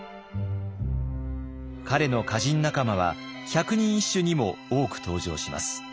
彼の歌人仲間は百人一首にも多く登場します。